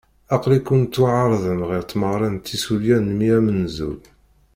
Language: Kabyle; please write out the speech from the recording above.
Aql-iken tettwaɛerḍem ɣer tmeɣra n tissulya n mmi amenzu.